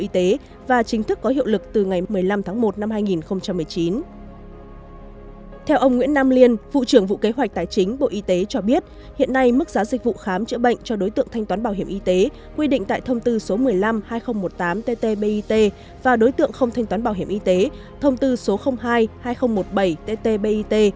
theo ông nguyễn nam liên vụ trưởng vụ kế hoạch tài chính bộ y tế cho biết hiện nay mức giá dịch vụ khám chữa bệnh cho đối tượng thanh toán bảo hiểm y tế quy định tại thông tư số một mươi năm hai nghìn một mươi tám ttbit và đối tượng không thanh toán bảo hiểm y tế thông tư số hai hai nghìn một mươi bảy ttbit